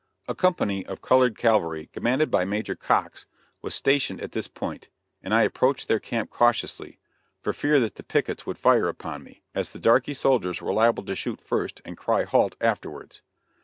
A company of colored cavalry, commanded by Major Cox, was stationed at this point, and I approached their camp cautiously, for fear that the pickets might fire upon me as the darkey soldiers were liable to shoot first and cry "halt" afterwards.